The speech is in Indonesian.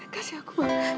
kasih aku bang